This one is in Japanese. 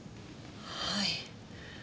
はい。